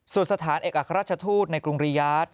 ส่วนสถานเอกอัครราชทูตในกรุงริยาท